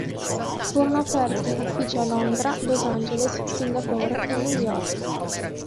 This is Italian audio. Furono aperti uffici a Londra, Los Angeles, Singapore e New York.